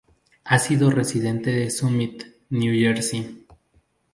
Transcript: Ha sido residente de Summit, New Jersey.